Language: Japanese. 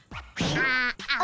ああ。